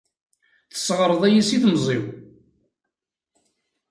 Tesseɣreḍ-iyi si temẓi-w!